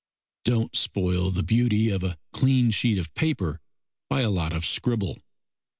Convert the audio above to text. Don't spoil the beauty of a clean sheet of paper by a lot of scribble.